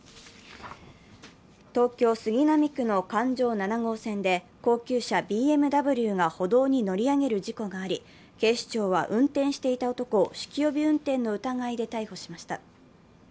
東京・杉並区の環状７号線で高級車ＢＭＷが歩道に乗り上げる事故があり、警視庁は運転していた男を酒気帯び運転の疑いで逮捕しました。